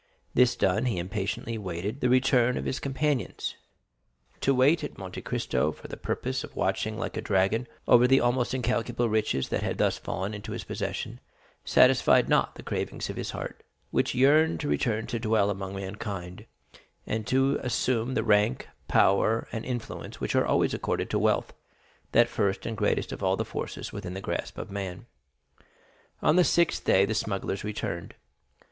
This done, he impatiently awaited the return of his companions. To wait at Monte Cristo for the purpose of watching like a dragon over the almost incalculable riches that had thus fallen into his possession satisfied not the cravings of his heart, which yearned to return to dwell among mankind, and to assume the rank, power, and influence which are always accorded to wealth—that first and greatest of all the forces within the grasp of man. On the sixth day, the smugglers returned.